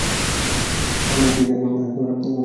একজন পুলিশ আমাদের তাড়া করছে।